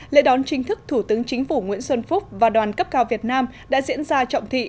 lễ đón chính thức thủ tướng chính phủ nguyễn xuân phúc và đoàn cấp cao việt nam đã diễn ra trọng thị